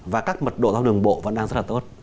và các mật độ ra đường bộ vẫn đang rất là tốt